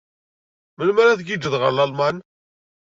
Melmi ara tgijjeḍ ɣer Lalman?